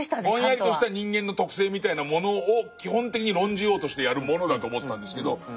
ぼんやりとした人間の特性みたいなものを基本的に論じようとしてやるものだと思ってたんですけど。